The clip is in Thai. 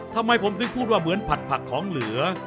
ทำไมผมถึงพูดว่าเหมือนผัดผักของเหลือ